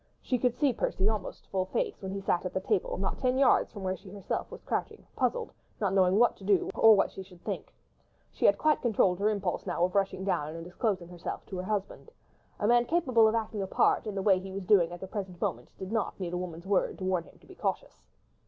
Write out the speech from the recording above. She could see Percy almost full face where he sat at the table not ten yards from where she herself was crouching, puzzled, not knowing what to do, or what she should think. She had quite controlled her impulse by now of rushing down and disclosing herself to her husband. A man capable of acting a part, in the way he was doing at the present moment, did not need a woman's word to warn him to be cautious.